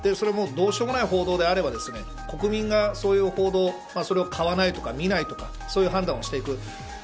どうしようもない報道であれば国民がそういう報道を買わないとか見ないとかそういう判断をしていく。